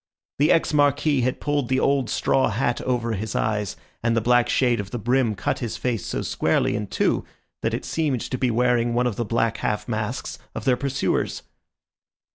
The ex Marquis had pulled the old straw hat over his eyes, and the black shade of the brim cut his face so squarely in two that it seemed to be wearing one of the black half masks of their pursuers.